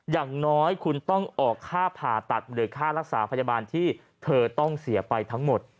อย่างน้อยคุณต้องออกค่าผ่าตัดหรือค่ารักษาพยาบาลที่เธอต้องเสียไปทั้งหมด